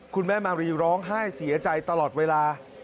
คุณแม่มารีร้องไห้เสียใจตลอดเวลา